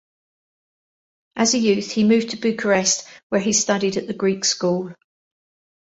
As a youth he moved to Bucharest where he studied at the Greek School.